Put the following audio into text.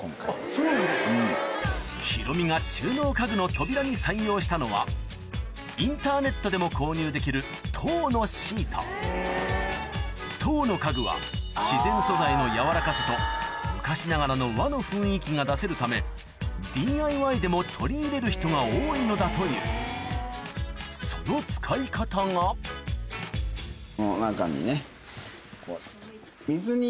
・そうなんですか・ヒロミが収納家具の扉に採用したのは籐の家具は自然素材のやわらかさと昔ながらの和の雰囲気が出せるためＤＩＹでも取り入れる人が多いのだというその使い方がこの中にね。